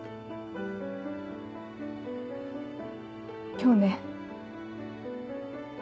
今日ね。